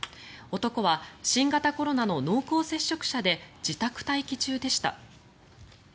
男は新型コロナの濃厚接触者で自宅待機中でした。